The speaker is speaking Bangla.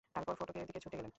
তারপর ফটকের দিকে ছুটে গেলেন।